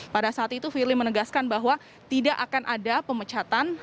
pada saat itu firly menegaskan bahwa tidak akan ada pemecatan